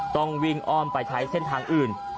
ต้องวิ่งอ้อมไปใช้เส้นทางอื่น